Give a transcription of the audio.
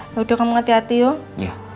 yaudah kamu hati hati yuk